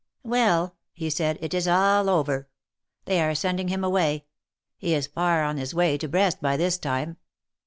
''Well!" he said, "it is all over. They are sending him away. He is far on his way to Brest by this time."